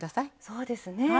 そうですね。